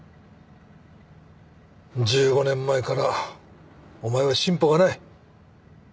１５年前からお前は進歩がない。